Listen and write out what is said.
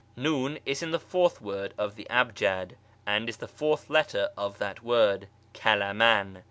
Nun is in the fourth word of the ahjad, and is the fourth letter in that word {kalaman).